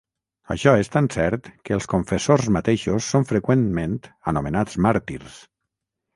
Això és tan cert que els confessors mateixos són freqüentment anomenats màrtirs.